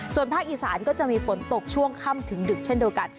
ส่วนภาคอีสานก็จะมีฝนตกช่วงค่ำถึงดึกเช่นเดียวกัน